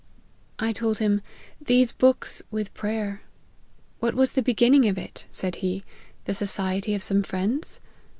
I told him * These books, with prayer.' ' What was the beginning of it,' said he, ' the society of some friends